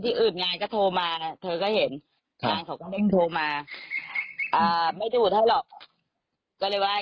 ข่าวก็ให้มา